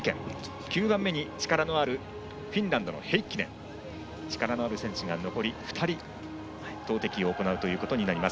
９番目に力のあるフィンランドのヘイッキネン力のある選手が残り投てきを行うということになります。